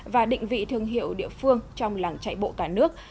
và định vị thương hiệu địa phương trong làng chạy bộ cả nước